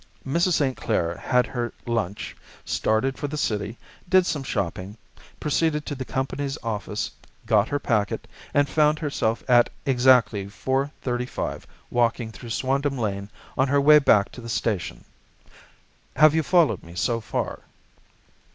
Mrs. St. Clair had her lunch, started for the City, did some shopping, proceeded to the company's office, got her packet, and found herself at exactly 4:35 walking through Swandam Lane on her way back to the station. Have you followed me so far?"